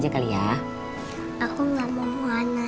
biar dia bisa ketemu sama papanya